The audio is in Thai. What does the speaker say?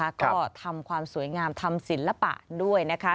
ก็ทำความสวยงามทำศิลปะด้วยนะคะ